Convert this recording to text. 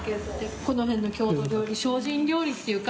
この辺の郷土料理精進料理っていうか。